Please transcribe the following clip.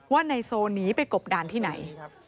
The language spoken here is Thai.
ว่าไนโซหนีไปกบด่านที่ไหน